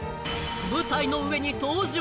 舞台の上に登場！